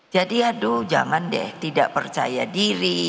jadi aduh jangan deh tidak percaya diri